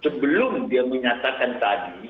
sebelum dia menyatakan tadi